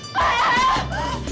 bagi kau bagi